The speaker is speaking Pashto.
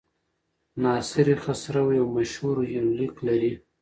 ناصر خسرو یو مشهور یونلیک لري.